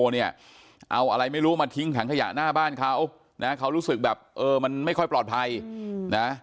เนี่ยเอาอะไรไม่รู้มาทิ้งถังขยะหน้าบ้านเขานะเขารู้สึกแบบเออมันไม่ค่อยปลอดภัยนะ